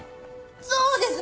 そうです！